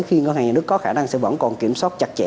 khi ngân hàng nhà nước có khả năng sẽ vẫn còn kiểm soát chặt chẽ